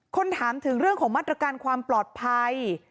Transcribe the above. ถามถึงเรื่องของมาตรการความปลอดภัย